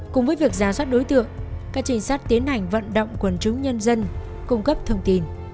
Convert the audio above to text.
cùng với việc giả soát đối tượng các trình sát tiến hành vận động quần chúng nhân dân cung cấp thông tin